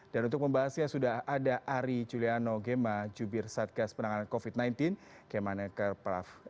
dan untuk membahasnya sudah ada ari juliano gema jubir satgas penanganan covid sembilan belas gema nekar prav